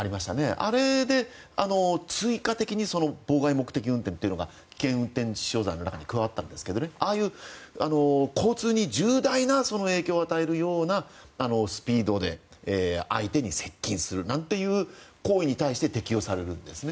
あれで追加的に妨害目的運転というのが危険運転致死傷罪の中に加わったんですけどねああいう交通に重大な影響を与えるようなスピードで相手に接近するなんていう行為に対して適用されるんですね。